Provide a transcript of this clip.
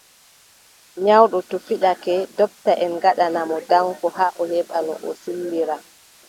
Nyawɗo to fiɗake, ndoptaʼen ngaɗana mo danko haa o heɓa no o sillira.